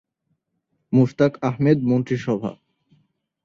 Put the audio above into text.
মোশতাক আহমেদ মন্ত্রিসভা